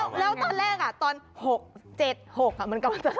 แล้วตอนแรกตอน๖๗๖มันกำลังจะ